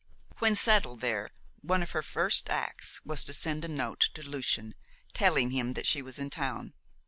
When settled there one of her first acts was to send a note to Lucian, telling him that she was in town.